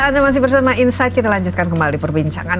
anda masih bersama insight kita lanjutkan kembali perbincangan